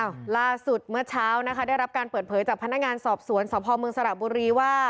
ล่าสุดเมื่อเช้านะคะได้รับการเปิดเผยจากพนักงานสอบสวนสพเมืองสระบุรีว่า